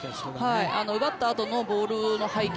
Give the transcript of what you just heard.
奪ったあとのボールの配球